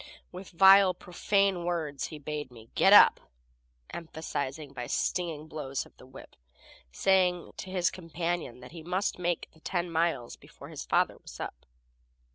With vile, profane words he bade me "Get up," emphasizing by stinging blows of the whip, saying to his companion that he must make the ten miles before his father was up.